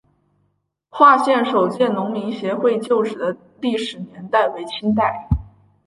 化县首届农民协会旧址的历史年代为清代。